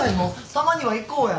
たまには行こうや。